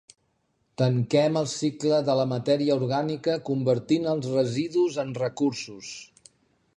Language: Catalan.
Tanquem el cicle de la matèria orgànica convertint els residus en recursos.